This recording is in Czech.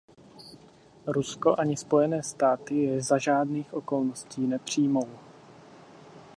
Rusko ani Spojené státy je za žádných okolností nepřijmou.